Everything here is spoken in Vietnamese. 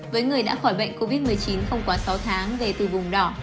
với người đã khỏi bệnh covid một mươi chín không quá sáu tháng về từ vùng đỏ